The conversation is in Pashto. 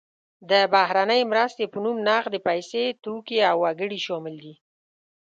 د بهرنۍ مرستې په نوم نغدې پیسې، توکي او وګړي شامل دي.